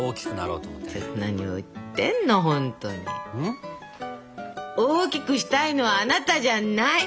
うん？大きくしたいのはあなたじゃない！